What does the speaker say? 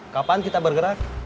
kapan kita bergerak